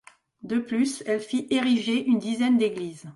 De plus, elle fit ériger une dizaine d'églises.